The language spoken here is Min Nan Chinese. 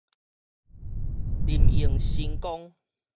林榮新光